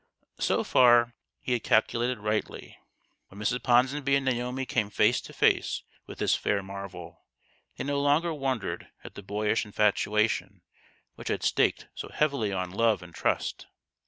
So far he had calculated rightly. When Mrs. Ponsonby and Naomi came face to face with this fair marvel, they no longer wondered at the boyish infatuation which had staked so heavily on love and trust.